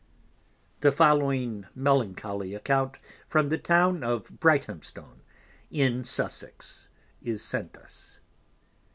The following melancholy Account from the Town of Brighthemstone in Sussex _is sent us.